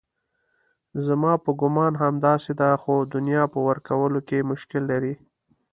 زما په ګومان همداسې ده خو دنیا په ورکولو کې مشکل لري.